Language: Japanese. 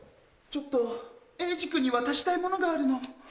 ちょっとえいじ君に渡したいものがあるの。